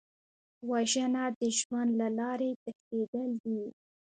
وژنه د ژوند له لارې تښتېدل دي